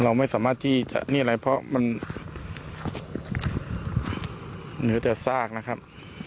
เราไม่สามารถที่จะนี่อะไรเพราะมันเหนือแต่ซากนะครับ